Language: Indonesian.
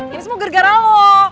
ini semua gara gara lo